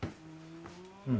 うん。